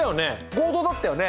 合同だったよね？